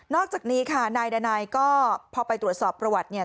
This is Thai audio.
อกจากนี้ค่ะนายดานัยก็พอไปตรวจสอบประวัติเนี่ย